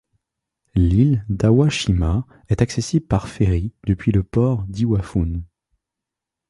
L'île d'Awa-shima est accessible par ferry depuis le port d'Iwafune.